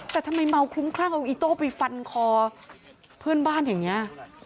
แต่ทำไมเมาคลุ้มคลั่งเอาอีโต้ไปฟันคอเพื่อนบ้านอย่างนี้